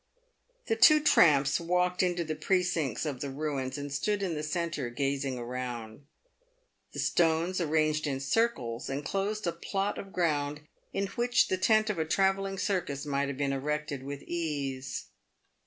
The two tramps walked into the precincts of the ruins, and stood in the centre, gazing around. The stones, arranged in circles, en closed a plot of ground in which the tent of a travelling circus might have been erected with ease.